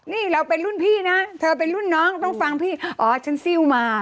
นี่เราเป็นรุ่นพี่นะเธอเป็นรุ่นน้องต้องฟังพี่อ๋อฉันซิลมา